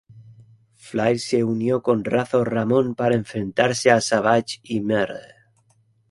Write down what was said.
Flair se unió con Razor Ramón para enfrentarse a Savage y Mr.